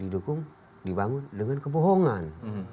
didukung dibangun dengan kebohongan